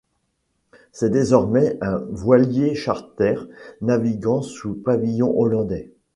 C'est désormais un voilier-charter naviguant sous pavillon hollandais.